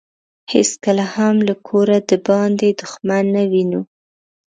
هیڅکله هم له کوره دباندې دښمن نه وينو.